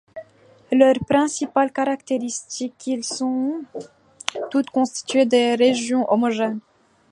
Leur principale caractéristique est qu'ils sont tous constitués de région homogène.